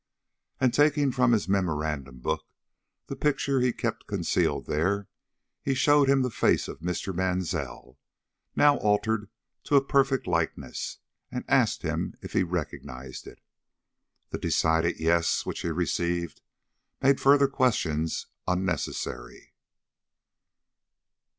And taking from his memorandum book the picture he kept concealed there, he showed him the face of Mr. Mansell, now altered to a perfect likeness, and asked him if he recognized it. The decided Yes which he received made further questions unnecessary.